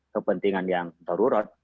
kepentingan yang terurut